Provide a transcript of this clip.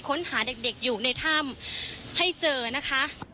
ค้นหาเด็กอยู่ในถ้ำให้เจอนะคะ